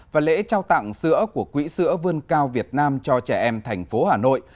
và lễ trao tặng sữa của quỹ sữa vươn cao việt nam cho trẻ em thành phố hà nội